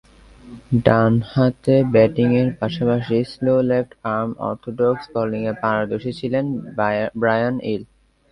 ডানহাতে ব্যাটিংয়ের পাশাপাশি স্লো লেফট-আর্ম অর্থোডক্স বোলিংয়ে পারদর্শী ছিলেন ব্রায়ান ইল।